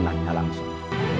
dan tidak langsung